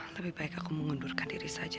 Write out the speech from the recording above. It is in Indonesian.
lebih baik aku mengundurkan diri saja